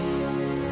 jatuh sudah lah